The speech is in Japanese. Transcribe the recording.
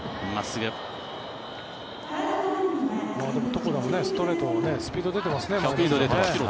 床田もストレートスピードが出てますね。